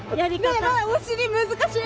ねえお尻難しい。